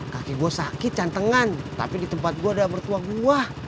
kakek gue sakit jantengan tapi di tempat gue ada mertua gue